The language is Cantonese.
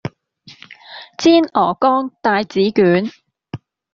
煎鵝肝帶子卷